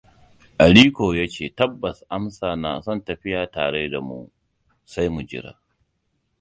Aliko ya ce tabbas Amsa na son tafiya tare da mu, sai mu jira.